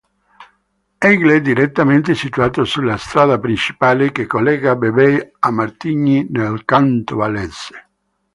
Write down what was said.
Aigle direttamente situato sulla strada principale che collega Vevey a Martigny nel Canton Vallese.